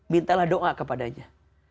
mintalah doa kepadanya